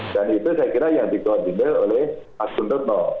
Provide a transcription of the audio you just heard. dan itu saya kira yang dikondisi oleh pak sundutno